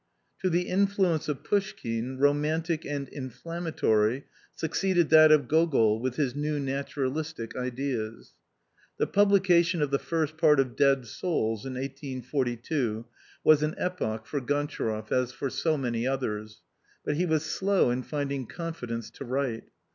To the influence of Fouschkine, romantic and inflam matory, succeeded that of Gogol, with his new naturalistic ideas. The publication of the first part of Dead Sauls, in 1842, was an epoch for Gontcharoff, as for so many others. But he was slow in finding confidence to write.